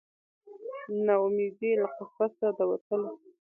نه امید یې له قفسه د وتلو